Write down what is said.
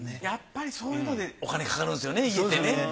やっぱりそういうのでお金かかるんですよね家ってね。